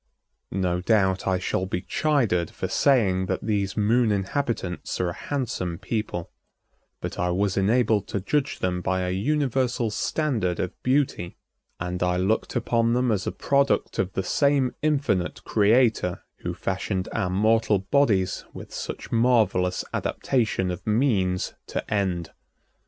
No doubt I shall be chided for saying that these Moon inhabitants are a handsome people, but I was enabled to judge them by a universal standard of beauty, and I looked upon them as a product of the same infinite Creator who fashioned our mortal bodies with such marvelous adaptation of means to end.